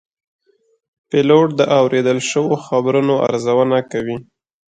پیلوټ د اورېدل شوو خبرونو ارزونه کوي.